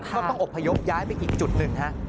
ก็ต้องอบพยพย้ายไปอีกจุดหนึ่งฮะ